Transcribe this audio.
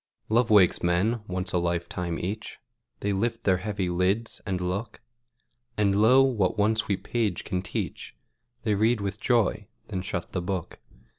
Love wakes men, once a lifetime each; They lift their heavy lids, and look; And, lo, what one sweet page can teach, They read with joy, then shut the book.